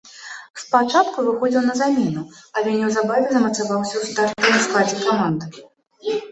Спачатку выхадзіў на замену, але неўзабаве замацаваўся ў стартавым складзе каманды.